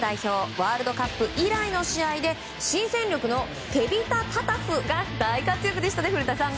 ワールドカップ以来の試合で新戦力のテビタ・タタフが大活躍でしたね、古田さん。